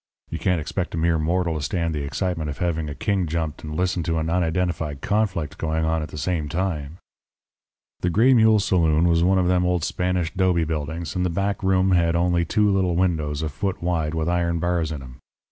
You can't expect a mere mortal to stand the excitement of having a king jumped and listen to an unidentified conflict going on at the same time.' "The Gray Mule saloon was one of them old Spanish 'dobe buildings, and the back room only had two little windows a foot wide, with iron bars in 'em.